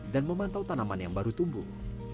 dan memantau tanaman yang baru tumbuh